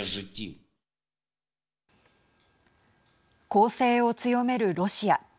攻勢を強めるロシア。